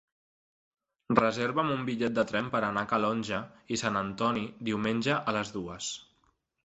Reserva'm un bitllet de tren per anar a Calonge i Sant Antoni diumenge a les dues.